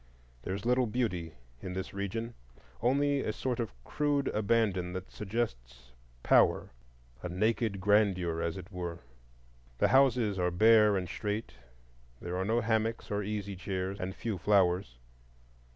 There is little beauty in this region, only a sort of crude abandon that suggests power,—a naked grandeur, as it were. The houses are bare and straight; there are no hammocks or easy chairs, and few flowers.